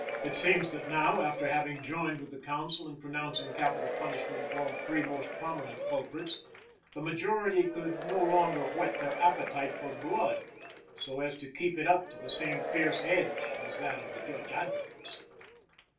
It seems that now, after having joined with the counsel in pronouncing capital punishment upon the three most prominent culprits, the majority could no longer whet their appetite for blood so as to keep it up to the same fierce edge as that of the Judge Advocates.